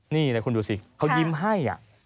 นี่เลยคุณดูสิเขายิ้มให้